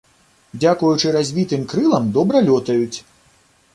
Дзякуючы развітым крылам добра лётаюць.